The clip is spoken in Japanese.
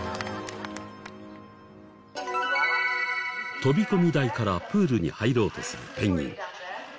飛び込み台からプールに入ろうとするペンギン。